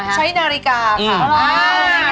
ใช้นาฬิกาค่ะ